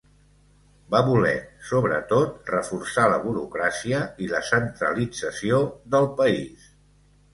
Va voler, sobretot, reforçar la burocràcia i la centralització del país.